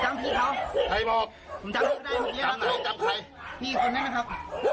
จำพี่ก็ได้จำใครนี่คนนะครับ